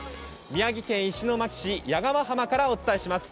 宮城県石巻市谷川浜からお伝えします。